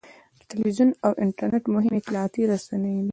تلویزیون او انټرنېټ مهم اطلاعاتي رسنۍ دي.